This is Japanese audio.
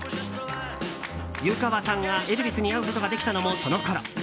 湯川さんがエルヴィスに会うことができたのもそのころ。